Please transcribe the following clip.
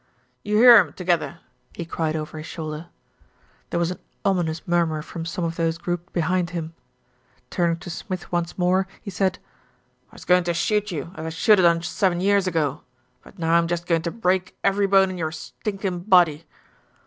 "You hear him, together," he cried over his shoulder. There was an ominous murmur from some of those grouped behind him. Turning to Smith once more, he said: "I was going to shoot you, as I should ha' done seven year ago; but now I'm just goin' to break every bone in your stinkin' body."